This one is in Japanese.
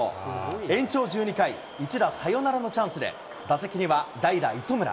延長１２回、１打サヨナラのチャンスで、打席には代打、磯村。